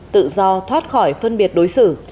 tự do thoát khỏi phân biệt đối xử